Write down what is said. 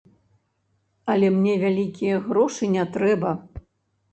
Але мне вялікія грошы не трэба.